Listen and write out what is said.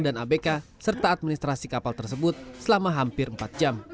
dan abk serta administrasi kapal tersebut selama hampir empat jam